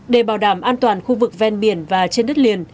để bảo đảm an toàn khu vực ven biển và trên đất liền